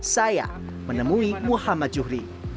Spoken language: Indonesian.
saya menemui muhammad juhri